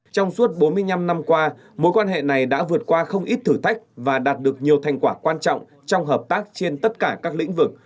trong suốt bốn mươi năm năm qua mối quan hệ này đã vượt qua không ít thử thách và đạt được nhiều thành quả quan trọng trong hợp tác trên tất cả các lĩnh vực